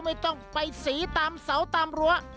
ไม่ต้องไปสีตามเสาตามรั้ว